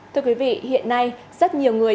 thưa quý vị hiện nay rất nhiều người